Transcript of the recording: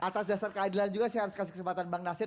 atas dasar keadilan juga saya harus kasih kesempatan bang nasir